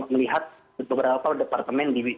melihat beberapa departemen di